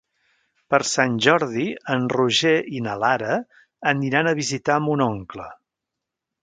Per Sant Jordi en Roger i na Lara aniran a visitar mon oncle.